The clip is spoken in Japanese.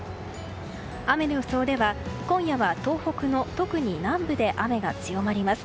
雨の予想では今夜は東北の特に南部で雨が強まります。